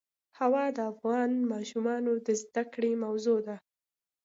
هوا د افغان ماشومانو د زده کړې موضوع ده.